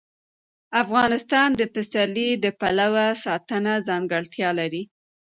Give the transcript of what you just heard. افغانستان د پسرلی د پلوه ځانته ځانګړتیا لري.